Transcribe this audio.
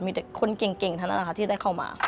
มีแต่คนเก่งเท่านั้นนะคะที่ได้เข้ามา